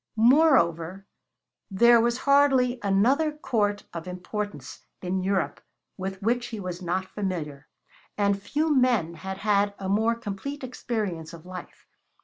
Moreover, there was hardly another court of importance in Europe with which he was not familiar, and few men had had a more complete experience of life.